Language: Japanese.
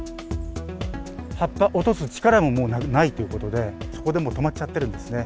葉っぱ落とす力ももうないということで、そこでもう、止まっちゃってるんですよね。